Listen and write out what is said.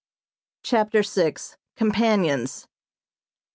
CHAPTER VI COMPANIONS.